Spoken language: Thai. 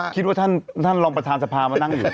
คิดว่าท่านรองประธานสภามานั่งอยู่